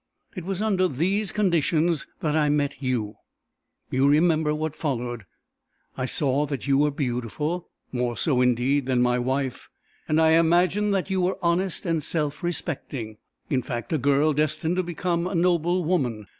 It was under these conditions that I met you. You remember what followed. I saw that you were beautiful, more so, indeed, than my wife, and I imagined that you were honest and self respecting in fact, a girl destined to become a noble woman.